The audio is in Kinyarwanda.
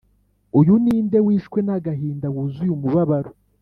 uyu ni nde wishwe n'agahinda, wuzuy' umubabaro,